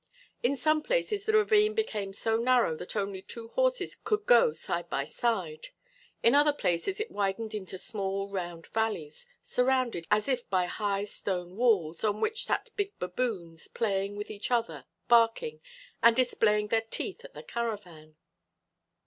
In some places the ravine became so narrow that only two horses could go side by side; in other places it widened into small, round valleys, surrounded as if by high stone walls, on which sat big baboons, playing with each other, barking, and displaying their teeth at the caravan.